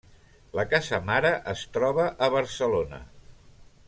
La casa mare es troba a Barcelona.